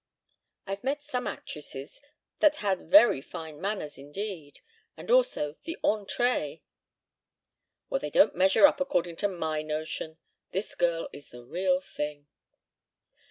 "I've met some actresses that had very fine manners indeed, and also the entrée." "Well, they don't measure up according to my notion. This girl is the real thing."